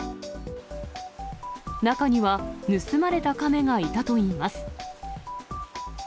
中には、盗まれたカメがいたといいます。